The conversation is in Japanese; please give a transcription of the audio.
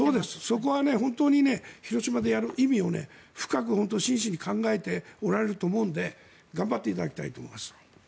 そこは本当に広島でやる意味を深く、本当に真摯に考えておられると思うので頑張っていただきたいと思います。